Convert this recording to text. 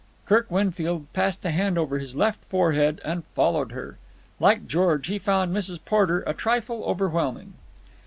Kirk Winfield passed a hand over his left forehead and followed her. Like George, he found Mrs. Porter a trifle overwhelming.